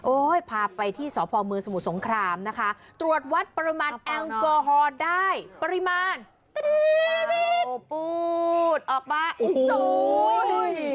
โอ้ยพาไปที่สพมสมุทรสงครามนะคะตรวจวัดประมาณแอลกอฮอล์ได้ปริมาณตรี๊ดตรี๊ดปู๊ดออกมาโอ้ย